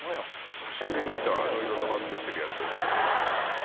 久しぶりに見たわあの色のマスクしてるヤツ。